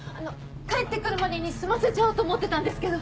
帰って来るまでに済ませちゃおうと思ってたんですけど。